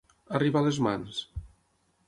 Arribar a les mans.